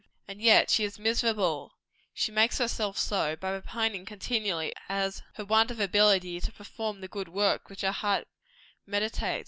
And yet she is miserable she makes herself so by repining continually at her want of ability to perform the good works which her heart meditates.